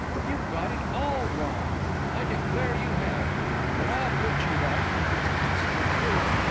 "You've got it all wrong; I declare you have! But I'll put you right, if it's possible to do it."